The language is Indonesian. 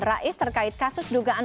rais terkait kasus dugaan